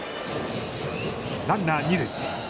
ランナー二塁。